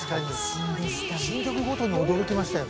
新曲ごとに驚きましたよね。